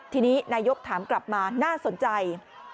ทีนี้นายกถามกลับมาน่าสนใจ